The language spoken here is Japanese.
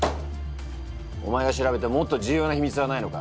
お前が調べたもっと重要なひみつはないのか？